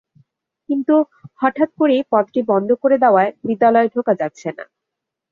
কিন্তু হঠাৎ করেই পথটি বন্ধ করে দেওয়ায় বিদ্যালয়ে ঢোকা যাচ্ছে না।